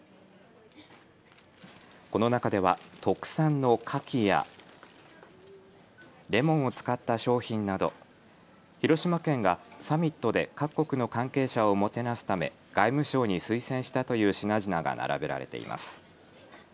この中では特産のかきやレモンを使った商品など広島県がサミットで各国の関係者をもてなすため外務省に推薦したという品々が並べられています。